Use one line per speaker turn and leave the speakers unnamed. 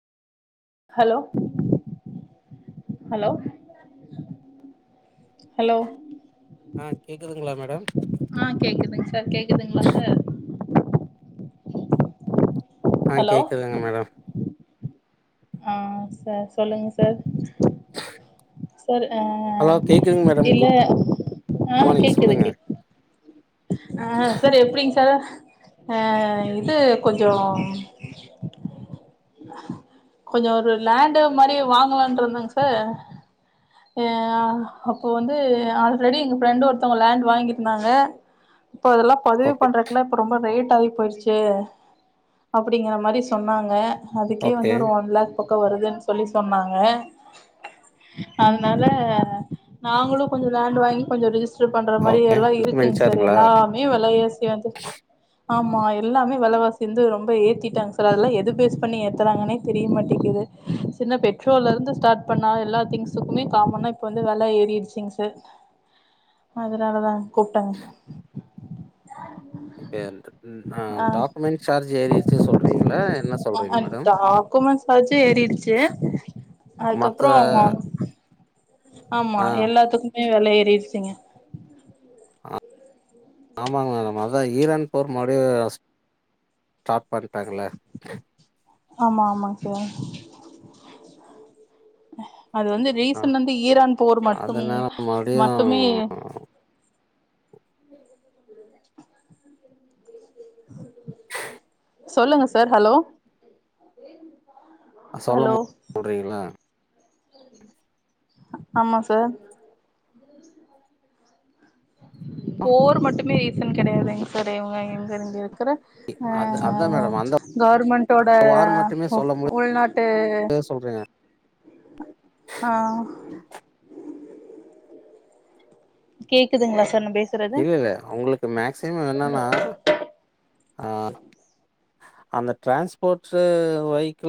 hello hello hello
ஆ கேக்குதுங்களா madam
ஆ கேக்குதுங் சார், கேக்குதுங்களா சார்,
ஆ
ஹலோ
கேக்குதுங்க மேடம்
ஆ சார் சொல்லுங்க சார் சார் அ
ஹலோ கேக்குதுங் மேடம், குட் குட்
ஆ
மானிங்
கேக்குது
சொல்லுங்க,
கேக் ஆ சார் எப்டிங் சார் ஆ இது கொஞ்சோ கொஞ்சோ ஒரு லேண்டு மாரி வாங்கலானு இருந்தங் சார் ஆ அப்ப வந்து ஆல்ரெடி எங்க ஃப்ரெண்டு ஒருத்தவங்க லேண்ட் வாங்கிருந்தாங்க இப்ப அதெல்லா பதிவு
ஓகே
பண்றதுக்ல்லா இப்போ ரொம்ப ரேட் ஆகி போயிடுச்சு அப்டிங்கிற மாரி சொன்னாங்க அதுக்கே
ஓகே
வந்து ஒரு ஒன் லாக் பக்கம் வருதுன்னு சொல்லி சொன்னாங்க அதனால நாங்களும் கொஞ்சோ லேண்ட் வாங்கி கொஞ்சோ ரிஜிஸ் ட்ரு பண்ற மாரி
ஓகே
எல்லாம்
டாக்குமெண்ட்
இருக்குங் சார்
சார்ஜுங்களா
எல்லாமே வெலவாசி வந்து ஆமா எல்லாமே வெலவாசி வந்து ரொம்ப ஏத்திட்டாங்க சார் அதெல்லாம் எது பேஸ் பண்ணி ஏத்துறாங்கன்னே தெரியமாட்டேங்கிது சின்ன பெட்ரோல்ல இருந்து ஸ்டார்ட் பண்ணா எல்லா திங்ஸ் சுக்குமே காமன்னா இப்போ வந்து வெல ஏறிருச்சிங் சார் அதனாலதா கூப்ட்டாங்க
ஓகே ம் ஆ டாக்குமெண்ட் சார்ஜ் ஏறிருச்சுன்னு சொல்றீங்களா என்ன சொல்றீங்க மேடம்
குமன் சார்ஜும் ஏறிடுச்சு
மத்த
அதுக்கப்பறம் ஆமா
ஆ
எல்லாத்துக்குமே வெல ஏறிருச்சிங்க
ஆ ஆமாங்க மேடம் அதான் ஈரான் போர் மறு ஸ்டார்ட் பண்ணிட்டாங்கல்ல
ஆமா ஆமாங் சார் அது வந்து
ஆ
ரீசன் வந்து ஈரான் போர் மட்டும்
அதனால மறுபடியு
மட்டுமே சொல்லுங்க சார் ஹலோ
நா சொல்ல
ஹலோ
போது போட்ரிங்களா
ஆமா சார் போர் மட்டுமே ரீசன் கெடையாதுங் சார் இவங்க இங்க இங்க இருக்கிற ஆ
அது
ஆ
அதா
ஆ
மேடம் அந்த
கவர்மெண்ட்டோட
வார் மட்டுமே சொல்ல
உள்நாட் டு
முடியாது சொல்றீங்க
ஆ கேக்குதுங்களா சார் நா பே
இல்ல இல்ல அவுங்ளுக்கு மேக்சிமம் என்னனா ஆ அந்த ட்ரான்ஸ்போர்ட்ஸ்சு வெஹிகில்